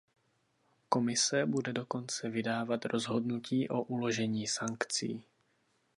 Komise bude dokonce vydávat rozhodnutí o uložení sankcí.